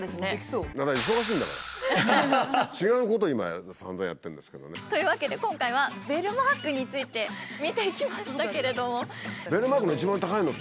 違うことを今さんざんやってるんですけどね。というわけで今回はベルマークについて見てきましたけれども。